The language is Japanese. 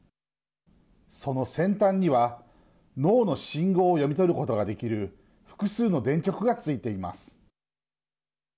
その先端には脳の信号を読み取ることができる複数の電極が付いています。